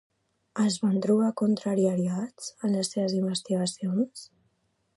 Es van trobar contrarietats en les seves investigacions?